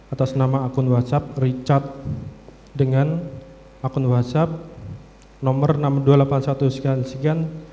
atas nama akun whatsapp richard dengan akun whatsapp nomor enam ribu dua ratus delapan puluh satu sekian